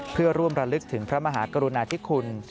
เพื่อร่วมระลึกถึงพระมหากรุณาธิคุณ